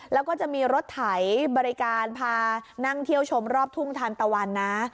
แล้วก็จะมีรถไถบริการพานั่งเที่ยวชมรอบทุ่งทานตะวันนะ